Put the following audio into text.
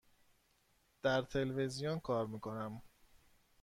در تلویزیون کار می کنم.